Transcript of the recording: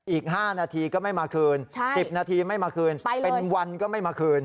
อีก๕นาทีก็ไม่มาคืน๑๐นาทีไม่มาคืนเป็นวันก็ไม่มาคืน